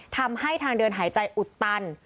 ทำให้ทางเดินหายใจอุดตัน